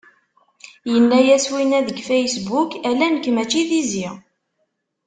Yenna-yas winna deg Facebook: ala, nekk mačči d izi!